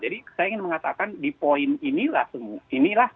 jadi saya ingin mengatakan di poin inilah